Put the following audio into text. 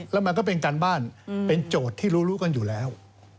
แล้วมันก็เป็นการบ้านเป็นโจทย์ที่รู้กันอยู่แล้ว